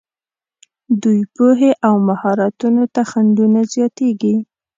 دوی پوهې او مهارتونو ته خنډونه زیاتېږي.